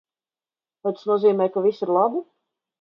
Vai tas nozīmē, ka viss ir labi?